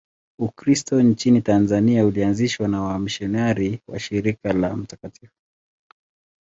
Ukristo nchini Tanzania ulianzishwa na wamisionari wa Shirika la Mt.